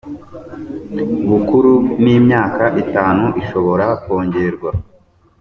bukuru ni imyaka itanu ishobora kongerwa